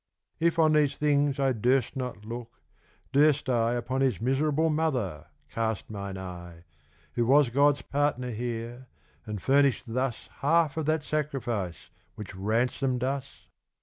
If on these things I durst not looke, durst IUpon his miserable mother cast mine eye, Who was Gods partner here, and furnish'd thusHalfe of that Sacrifice, which ransom'd us?